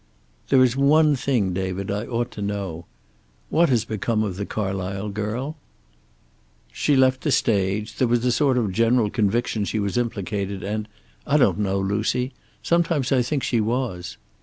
"There is one thing, David, I ought to know. What has become of the Carlysle girl?" "She left the stage. There was a sort of general conviction she was implicated and I don't know, Lucy. Sometimes I think she was."